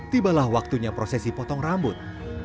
tibalah waktunya prosesi potong rambut